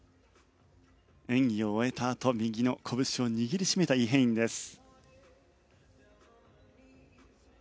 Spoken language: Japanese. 演技を終えたあと右のこぶしを握り締めたイ・ヘインです。